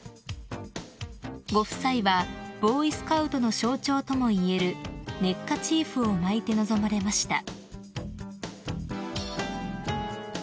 ［ご夫妻はボーイスカウトの象徴ともいえるネッカチーフを巻いて臨まれました］